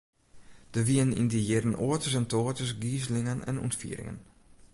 Der wiene yn dy jierren oates en toates gizelingen en ûntfieringen.